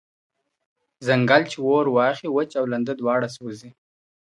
¬ ځنگل چي اور واخلي، وچ او لانده دواړه سوځي.